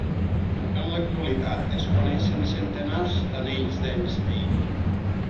En l'actualitat es coneixen centenars d'anells d'Einstein.